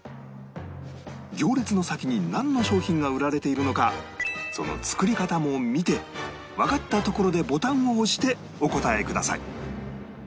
行列の先になんの商品が売られているのかその作り方も見てわかったところでボタンを押してお答えください